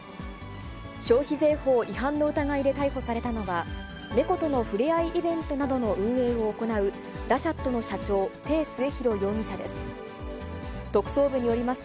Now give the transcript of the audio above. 消費税法違反の疑いで逮捕されたのは、猫とのふれあいイベントなどの運営を行うラ・シャットの社長、鄭末広容疑者です。